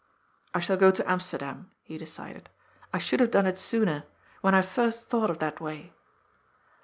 " I shall go to Amsterdam," he decided. " I should have done it sooner. When I first thought of that way."